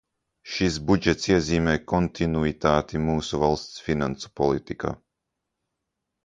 Šis budžets iezīmē kontinuitāti mūsu valsts finansu politikā.